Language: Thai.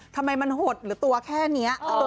ทำไมมันหดหรือตัวแค่นี้